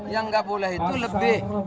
yang nggak boleh itu lebih